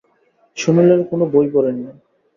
সুনীলের কোনো বই পড়েন নি।